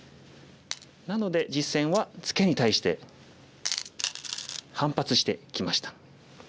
なので実戦はツケに対して反発してきました。